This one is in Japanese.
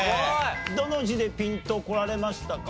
どの字でピンとこられましたか？